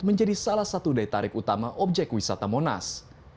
menjadi salah satu daya tarik utama objek wisata monas